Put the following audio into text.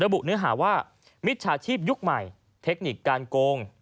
บุเนื้อหาว่ามิจฉาชีพยุคใหม่เทคนิคการโกง